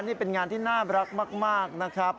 นี่เป็นงานที่น่ารักมากนะครับ